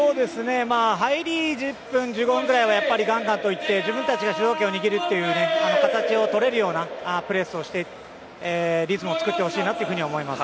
入り１０分、１５分ぐらいはガンガン行って自分たちが主導権を握るという形を取れるようなプレスをしてリズムを作ってほしいと思います。